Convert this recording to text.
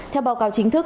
theo báo cáo chính thức